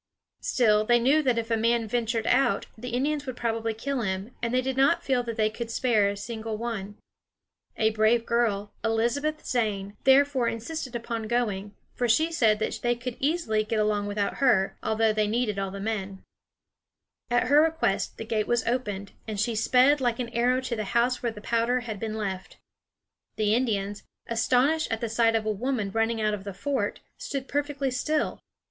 Still, they knew that if a man ventured out, the Indians would probably kill him, and they did not feel that they could spare a single one. A brave girl, Elizabeth Zane, therefore insisted upon going, for she said they could easily get along without her, although they needed all the men. [Illustration: Elizabeth Zane brings Powder.] At her request, the gate was opened, and she sped like an arrow to the house where the powder had been left. The Indians, astonished at the sight of a woman running out of the fort, stood perfectly still.